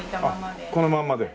あっこのままで。